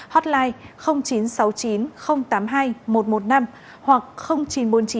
hotline chín trăm sáu mươi chín tám mươi hai một trăm một mươi năm hoặc chín trăm bốn mươi chín ba trăm chín mươi sáu một trăm một mươi năm